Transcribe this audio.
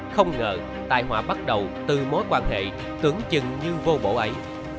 không ngờ tai họa bắt đầu từ mối quan hệ tưởng chừng như vô bổ ấy